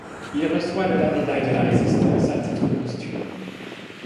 Il reçoit le la médaille de la Résistance à titre posthume.